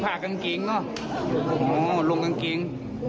อ๋อผ่ากางเกงหรอโอ้โหลงกางเกง